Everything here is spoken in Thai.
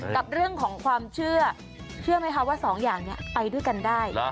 กับเรื่องของความเชื่อเชื่อไหมคะว่าสองอย่างนี้ไปด้วยกันได้